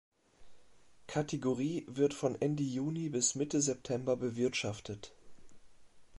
Kategorie wird von Ende Juni bis Mitte September bewirtschaftet.